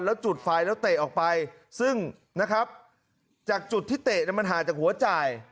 แล้วจุดไฟแล้วเตะออกไปซึ่งนะครับจากจุดที่เตะมันห่างจากหัวจ่าย